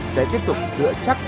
sẽ tiếp tục giữa chắc